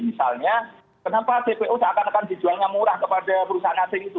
misalnya kenapa cpo seakan akan dijualnya murah kepada perusahaan asing itu